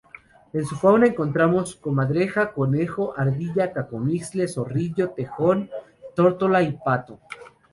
En su fauna encontramos: comadreja, conejo, ardilla, cacomixtle, zorrillo, tejón, tórtola y pato.